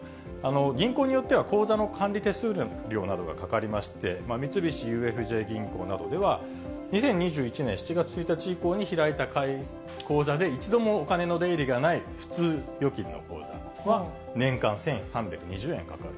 銀行によっては、口座の管理手数料などがかかりまして、三菱ＵＦＪ銀行などでは、２０２１年７月１日以降に開いた口座で一度もお金の出入りがない普通預金の口座は、年間１３２０円かかる。